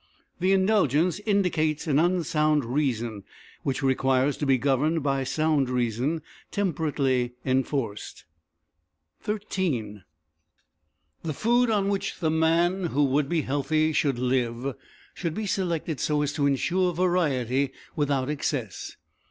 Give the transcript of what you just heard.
The indulgence indicates an unsound reason which requires to be governed by sound reason, temperately enforced. XIII The food on which the man who would be healthy should live should be selected so as to ensure variety without excess.